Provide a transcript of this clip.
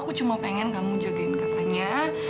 aku cuma pengen kamu jagain katanya